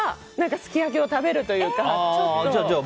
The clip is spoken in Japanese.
すき焼きを食べるという。